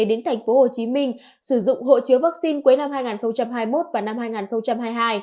đến thành phố hồ chí minh sử dụng hộ chiếu vaccine cuối năm hai nghìn hai mươi một và năm hai nghìn hai mươi hai